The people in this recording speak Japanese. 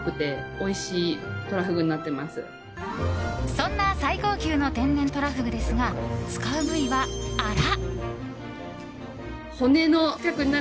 そんな最高級の天然トラフグですが使う部位は、アラ。